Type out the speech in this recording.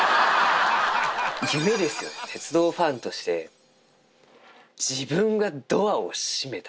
夢ですよね、鉄道ファンとして、自分がドアを閉めた。